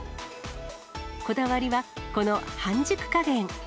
こだわりはこの半熟加減。